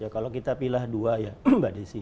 kalau kita pilih dua ya mbak desi